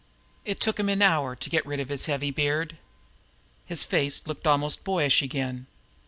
It took him an hour to get rid of his heavy beard. His face looked almost boyish again.